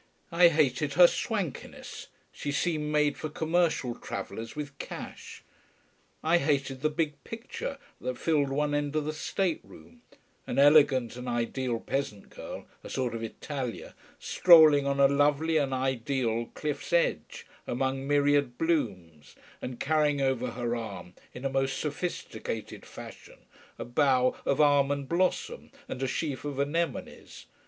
I hated her swankiness, she seemed made for commercial travellers with cash. I hated the big picture that filled one end of the state room: an elegant and ideal peasant girl, a sort of Italia, strolling on a lovely and ideal cliff's edge, among myriad blooms, and carrying over her arm, in a most sophisticated fashion, a bough of almond blossom and a sheaf of anemones.